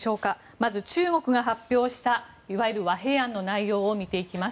まず中国が発表したいわゆる和平案の内容を見ていきます。